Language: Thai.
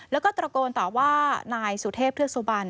แล้วก็ตระโกนต่อว่านายสุเทพเทือกสุบัน